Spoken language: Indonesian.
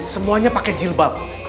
semuanya pakai jilbab